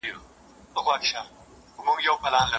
زاهده زړه مي له نفرته صبرولای نه سم